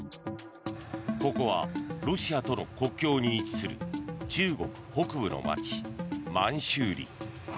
ここはロシアとの国境に位置する中国北部の街、満洲里。